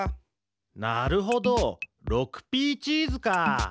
なるほど６Ｐチーズかあ。